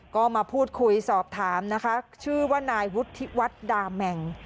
ก็มาพูดคุยสอบถามนะคะชื่อว่านายวุฒิวัฒน์ดาแมง